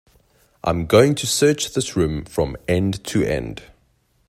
I'm going to search this room from end to end.